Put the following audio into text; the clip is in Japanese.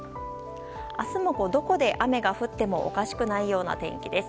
明日も、どこで雨が降ってもおかしくないような天気です。